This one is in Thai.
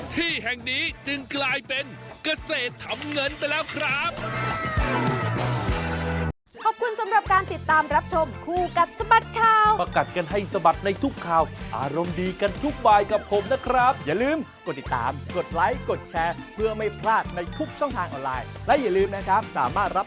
ที่แห่งนี้จึงกลายเป็นเกษตรทำเงินไปแล้วครับ